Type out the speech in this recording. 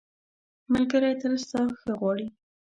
ملګری تل ستا ښه غواړي.